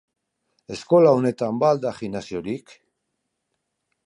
Eskola honetan ba al da gimnasiorik?